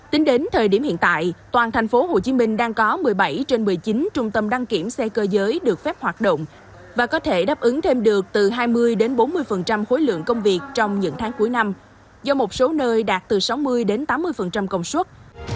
tính đến thời điểm hiện tại toàn thành phố hồ chí minh đang có một mươi bảy trên một mươi chín trung tâm đăng kiểm xe cơ giới được phép hoạt động và có thể đáp ứng thêm được từ hai mươi đến bốn mươi khối lượng công việc trong những tháng cuối năm do một số nơi đạt từ sáu mươi đến tám mươi công suất